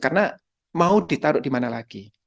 karena mau ditaruh dimana lagi